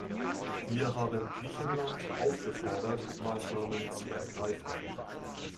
Wir haben Griechenland aufgefordert, Maßnahmen zu ergreifen.